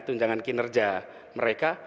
tunjangan kinerja mereka